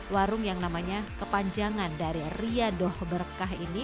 warung yang namanya kepanjangan dari riyadoh berkah ini